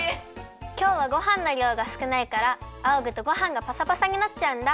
きょうはごはんのりょうがすくないからあおぐとごはんがパサパサになっちゃうんだ。